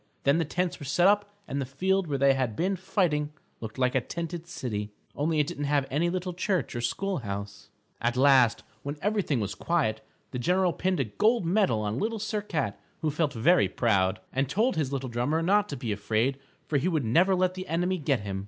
Then the tents were set up and the field where they had been fighting looked like a tented city, only it didn't have any little church or school house. At last, when everything was quiet, the general pinned a gold medal on Little Sir Cat, who felt very proud, and told his little drummer not to be afraid for he would never let the enemy get him.